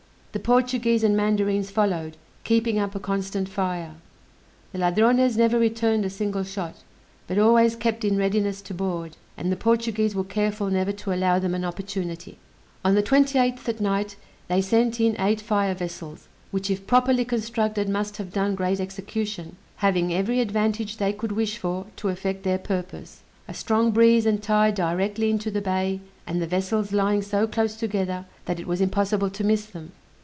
The Portuguese and mandarines followed, keeping up a constant fire. The Ladrones never returned a single shot, but always kept in readiness to board, and the Portuguese were careful never to allow them an opportunity. On the 28th, at night, they sent in eight fire vessels, which if properly constructed must have done great execution, having every advantage they could wish for to effect their purpose; a strong breeze and tide directly into the bay, and the vessels lying so close together that it was impossible to miss them.